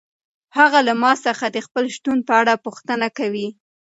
هغه له ما څخه د خپل شتون په اړه پوښتنه کوي.